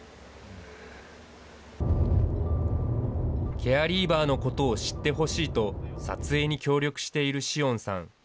ケアリーバーのことを知ってほしいと、撮影に協力している紫桜さん。